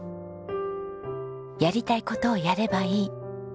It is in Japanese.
「やりたい事をやればいい」。